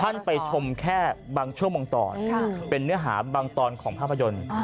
ท่านไปชมแค่บางชั่วมองตรเป็นเนื้อหาบางตรของภาพยนตร์